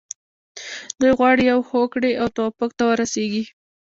دوی غواړي یوې هوکړې او توافق ته ورسیږي.